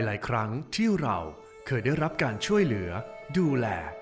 หลายครั้งที่เราเคยได้รับการช่วยเหลือดูแล